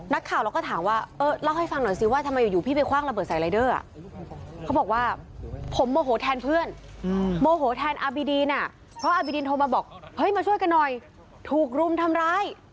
นักข่าวเราก็ถามว่าเออเล่าให้ฟังหน่อยสิว่า